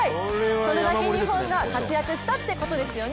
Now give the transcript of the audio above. それだけ日本が活躍したってことですよね。